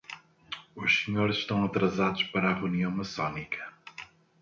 Os senhores estão atrasados para a reunião maçônica